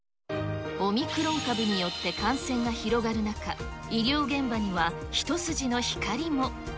オミクロン株によって感染が広がる中、医療現場には一筋の光も。